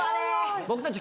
僕たち